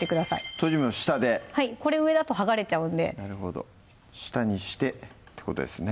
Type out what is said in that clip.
とじ目を下ではいこれ上だと剥がれちゃうんでなるほど下にしてってことですね